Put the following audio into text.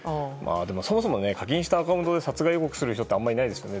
そもそも課金したアカウントで殺害予告する人なんていないですから。